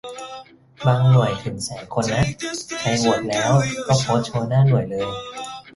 บางหน่วยถึงแสนคนนะ ใครโหวตแล้วก็โพสต์โชว์หน้าหน่วยเลย